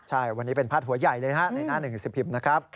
ใช่วันนี้เป็นพาดหัวใหญ่เลยนะฮะในหน้าหนึ่งสิบพิมพ์นะครับ